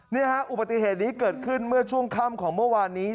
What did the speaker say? นี่ฮะอุบัติเหตุนี้เกิดขึ้นเมื่อช่วงค่ำของเมื่อวานนี้